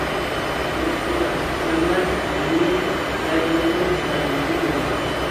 ئۇنتۇپ كېتىڭ ھەممە ھەممىنى، دەردىڭىزنىڭ دەرمانى مەن بار.